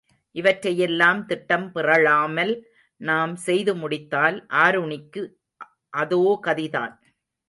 இவற்றையெல்லாம் திட்டம் பிறழாமல் நாம் செய்து முடித்தால், ஆருணிக்கு அதோ கதிதான்.